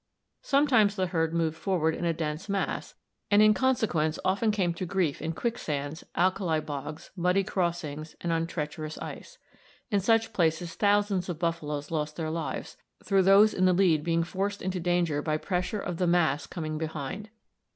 Sometimes the herd moved forward in a dense mass, and in consequence often came to grief in quicksands, alkali bogs, muddy crossings, and on treacherous ice. In such places thousands of buffaloes lost their lives, through those in the lead being forced into danger by pressure of the mass coming behind.